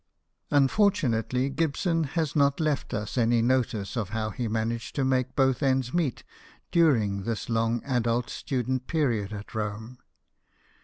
Unfortunately, Gibson has not left us any 78 BIOGRAPHIES OF WORKING MEN. notice of how he managed to make both ends meet during this long adult student period at Rome.